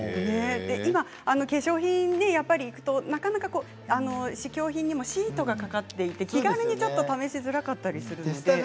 今、化粧品、やっぱり行くとなかなか試供品にもシートがかかっていて気軽に試しづらかったりするんですけど。